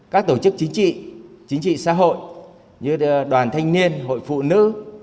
các tổ chức chính trị chính trị xã hội như đoàn thanh niên hội phụ nữ